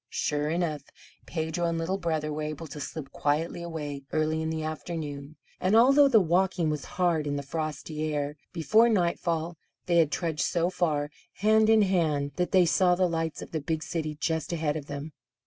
Sure enough Pedro and Little Brother were able to slip quietly away early in the afternoon; and although the walking was hard in the frosty air, before nightfall they had trudged so far, hand in hand, that they saw the lights of the big city just ahead of them.